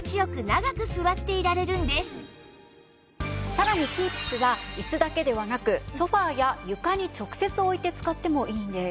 さらにＫｅｅｐｓは椅子だけではなくソファや床に直接置いて使ってもいいんです。